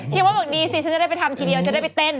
ว่าบอกดีสิฉันจะได้ไปทำทีเดียวจะได้ไปเต้น